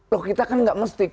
loh kita kan gak ngestik